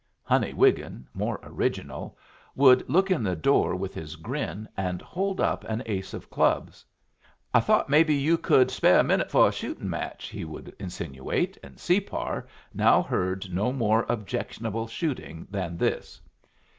Honey Wiggin, more original, would look in the door with his grin, and hold up an ace of clubs. "I thought maybe yu' could spare a minute for a shootin' match," he would insinuate; and Separ now heard no more objectionable shooting than this.